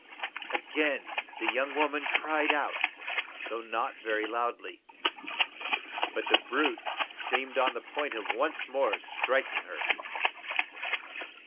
Again the young woman cried out, though not very loudly. But the brute seemed on the point of once more striking her.